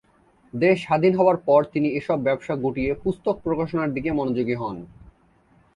দেশ স্বাধীন হওয়ার পর তিনি এসব ব্যবসা গুটিয়ে পুস্তক প্রকাশনার দিকে মনোযোগী হন।